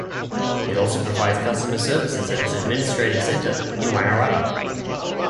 It also provides customer services at its administrative centre in Wangaratta.